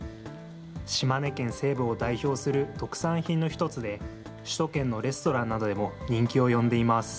島根県西部を代表する特産品の一つで、首都圏のレストランなどでも人気を呼んでいます。